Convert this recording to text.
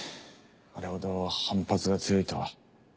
あれほど反発が強いとは。